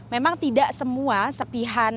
memang tidak semua serpihan